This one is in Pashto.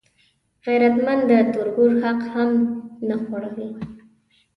غیرتمند د تربور حق هم نه خوړوي